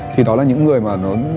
thì đó là những người mà